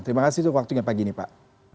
terima kasih untuk waktunya pagi ini pak